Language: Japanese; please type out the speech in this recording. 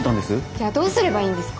じゃあどうすればいいんですか？